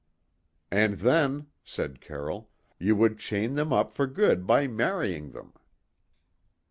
"And then," said Carroll, "you would chain them up for good by marrying them."